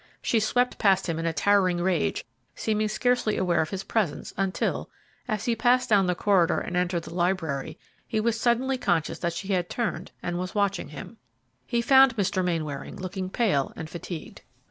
She swept past him in a towering rage, seeming scarcely aware of his presence until, as he passed down the corridor and entered the library, he was suddenly conscious that she had turned and was watching him. He found Mr. Mainwaring looking pale and fatigued.